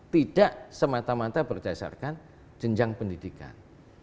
tidak semata mata berdasarkan jenjang pendidikan